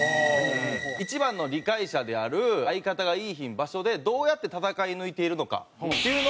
一番の理解者である相方がいいひん場所でどうやって戦い抜いているのかというのを考える企画です。